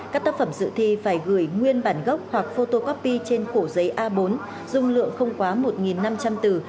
các tác phẩm dự thi phải gửi nguyên bản gốc hoặc photocopy trên cổ giấy a bốn dung lượng không quá một năm trăm linh từ